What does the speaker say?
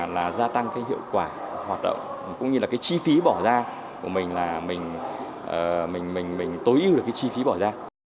là gia tăng cái hiệu quả hoạt động cũng như là cái chi phí bỏ ra của mình là mình tối ưu được cái chi phí bỏ ra